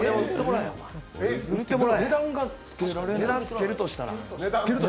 値段つけるとしたら？